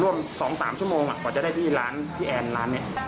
ร่วมสองสามชั่วโมงอ่ะก่อนจะได้พี่ร้านพี่แอนร้านเนี่ย